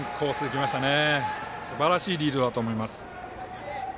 すばらしいリードだと思います。